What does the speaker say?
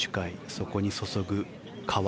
そこにそそぐ川。